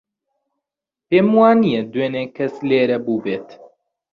پێم وانییە دوێنێ کەس لێرە بووبێت.